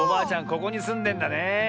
ここにすんでんだねえ。